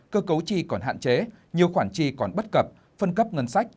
cơ cấu chi còn hạn chế nhiều khoản chi còn bất cập phân cấp ngân sách